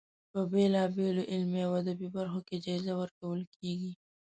په بېلا بېلو علمي او ادبي برخو کې جایزه ورکول کیږي.